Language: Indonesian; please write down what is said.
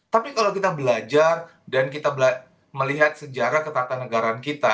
tapi kalau kita belajar dan kita melihat sejarah ketatanegaraan kita